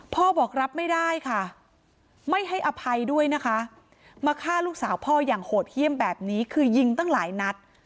พ่อบอกรับไม่ได้ค่ะไม่ให้อภัยด้วยนะคะมาฆ่าลูกสาวพ่ออย่างโหดเยี่ยมแบบนี้คือยิงตั้งหลายนัด